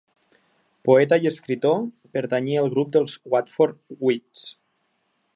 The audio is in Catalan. Poeta i escriptor, pertanyia al grup dels Hartford Wits.